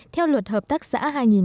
theo luật hợp tác xã hai nghìn một mươi hai